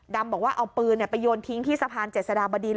บอกว่าเอาปืนไปโยนทิ้งที่สะพานเจษฎาบดิน